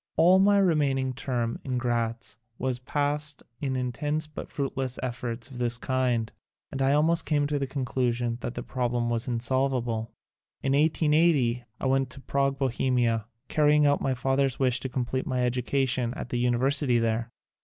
All my remaining term in Gratz was past in intense but fruit less efforts of this kind, and I almost came to the conclusion that the problem was in solvable. In 1880 I went to Prague, Bo hemia, carrying out my father's wish to complete my education at the University there.